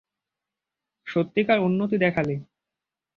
সত্যিকার উন্নতি দেখালে!